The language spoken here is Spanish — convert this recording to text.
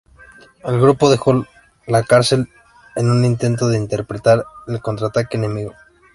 El grupo dejó la cárcel en un intento de interceptar el contraataque enemigo.